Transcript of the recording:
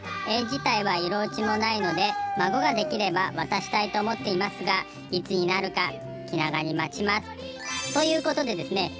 絵自体は色落ちもないので孫ができれば渡したいと思っていますが何時になるか気長に待ちます」。ということでですね